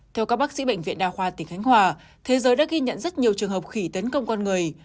theo các bác sĩ bệnh viện đa khoa tỉnh khánh hòa thế giới đã ghi nhận rất nhiều trường hợp khỉ tấn công con người